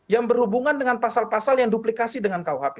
yang berhubungan dengan pasal pasal yang duplikasi dengan kuhp